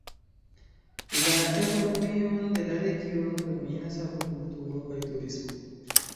La ekonomion de la regiono dominas agrokulturo kaj turismo.